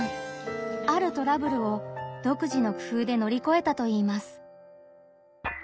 あるトラブルを独自の工夫でのりこえたといいます。